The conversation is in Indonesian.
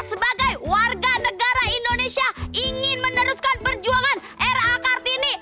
sebagai warga negara indonesia ingin meneruskan perjuangan era kartini